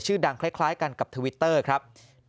ดังคล้ายกันกับทวิตเตอร์ครับ